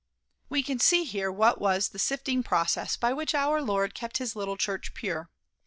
We can see here what was the sifting process by which our Lord kept his little church pure.